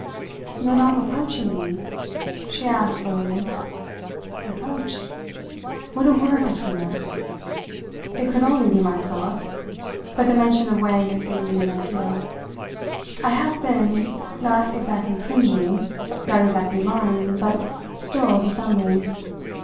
"You are not reproaching me?" she asked slowly. "Reproach? What a word between us! It could only be myself but the mention of Wang has given me an idea. I have been, not exactly cringing, not exactly lying, but still dissembling.